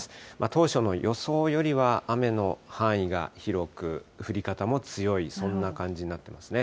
当初の予想よりは雨の範囲が広く、降り方も強い、そんな感じになってますね。